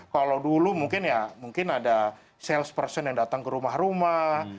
kalau dulu mungkin ya mungkin ada sales person yang datang ke rumah rumah